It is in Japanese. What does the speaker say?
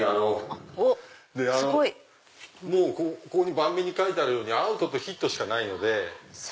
盤面に書いてあるようにアウトとヒットしかないので。